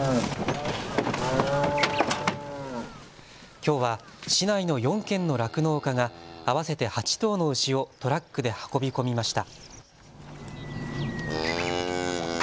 きょうは市内の４軒の酪農家が合わせて８頭の牛をトラックで運び込みました。